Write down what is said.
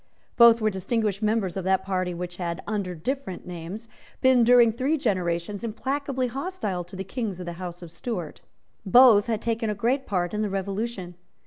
Both were distinguished members of that party which had, under different names, been, during three generations, implacably hostile to the Kings of the House of Stuart. Both had taken a great part in the Revolution.